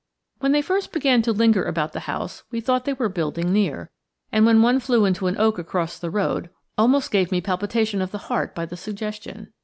When they first began to linger about the house we thought they were building near, and when one flew into an oak across the road, almost gave me palpitation of the heart by the suggestion.